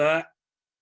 sejak tahun dua ribu